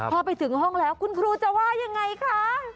พอไปถึงห้องแล้วคุณครูจะว่ายังไงคะ